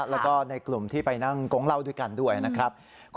แล้วก็ในกลุ่มที่ไปนั่งโก๊งเหล้าด้วยกันด้วยนะครับ